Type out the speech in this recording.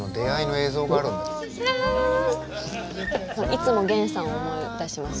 いつも源さんを思い出します